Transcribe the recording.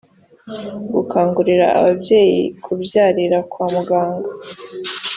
gukangurira ababyeyi kubyarira kwa muganga